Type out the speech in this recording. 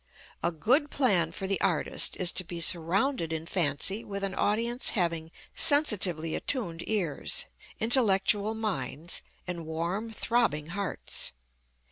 A good plan for the artist is to be surrounded in fancy with an audience having sensitively attuned ears, intellectual minds, and warm, throbbing hearts.